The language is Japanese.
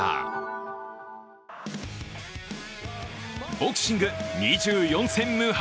ボクシング２４戦無敗！